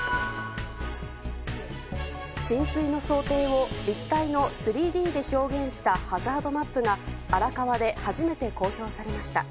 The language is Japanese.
浸水の想定を立体の３Ｄで表現したハザードマップが荒川で初めて公表されました。